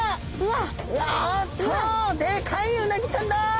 わっとでかいうなぎちゃんだ！